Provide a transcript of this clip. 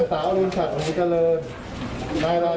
ก็สำหรับกับเจ้าใจก็ติดเชื้อหรือเปล่า